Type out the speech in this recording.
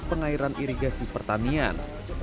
pengairan irigasi pertanian